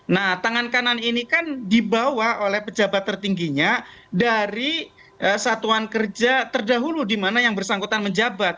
nah tangan kanan ini kan dibawa oleh pejabat tertingginya dari satuan kerja terdahulu di mana yang bersangkutan menjabat